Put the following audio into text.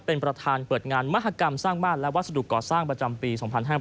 เป็นประธานเปิดงานมหากรรมสร้างบ้านและวัสดุก่อสร้างประจำปี๒๕๕๙